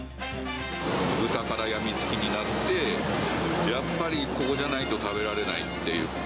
ブタカラ、やみつきになって、やっぱりここじゃないと食べられないっていう。